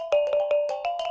saluang atau suruling panjang